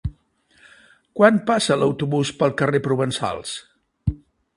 Quan passa l'autobús pel carrer Provençals?